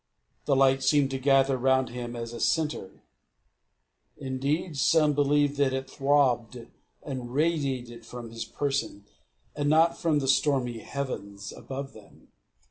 The light seemed to gather around him as a centre. Indeed some believed that it throbbed and radiated from his person, and not from the stormy heavens above them.